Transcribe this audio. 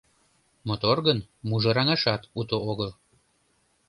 «Мотор гын, мужыраҥашат уто огыл.